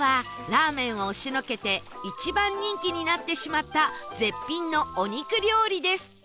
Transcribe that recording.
ラーメンを押しのけて一番人気になってしまった絶品のお肉料理です